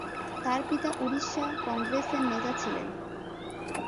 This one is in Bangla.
তার পিতা উড়িষ্যা কংগ্রেসের নেতা ছিলেন।